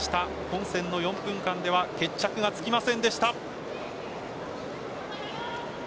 本戦の４分間では決着がつきませんでした。